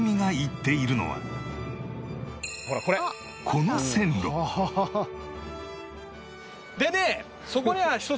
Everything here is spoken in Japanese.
この線路でね。